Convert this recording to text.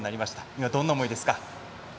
今、どんな思いですか？